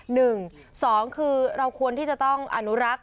หนึ่งสองคือเราควรที่จะต้องอนุรักษ์